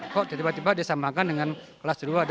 kok tiba tiba disamakan dengan kelas dua dan tiga